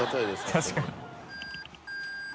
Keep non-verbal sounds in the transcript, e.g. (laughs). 確かに (laughs)